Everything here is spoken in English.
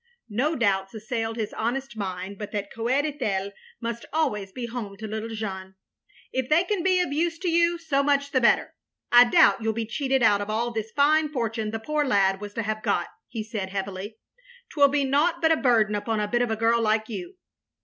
" No doubts assailed his honest mind but that Coed Ithel mtist always be home to littld Jeanne. " If they can be of use to you, so much the better. I doubt you '11 be cheated out of all this fine fortune the poor lad was to have got, " he said, heavily. " 'T will be nought but a burden upon a bit of a girl like you.